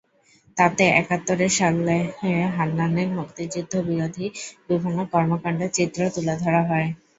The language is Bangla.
তাতে একাত্তর সালে হান্নানের মুক্তিযুদ্ধবিরোধী বিভিন্ন কর্মকাণ্ডের চিত্র তুলে ধরা হয়।